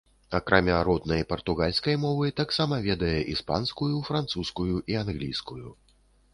Акрамя роднай партугальскай мовы таксама ведае іспанскую, французскую і англійскую.